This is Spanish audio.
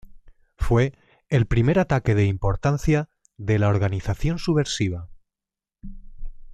Fue el primer ataque de importancia de la organización subversiva.